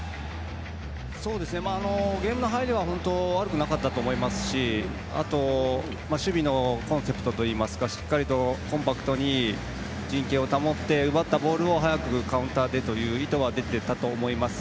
ゲームの入りは悪くなかったと思いますし守備のコンセプトといいますかしっかりコンパクトに陣形を保って奪ったボールを速くカウンターでという意図は出ていたと思います。